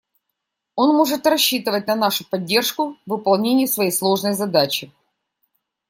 Он может рассчитывать на нашу поддержку в выполнении своей сложной задачи.